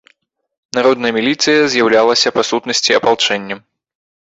Народная міліцыя з'яўлялася, па сутнасці, апалчэннем.